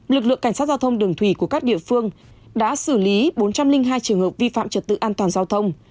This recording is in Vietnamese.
lực lượng cảnh sát giao thông đường thủy của các địa phương đã xử lý bốn trăm linh hai trường hợp vi phạm trật tự an toàn giao thông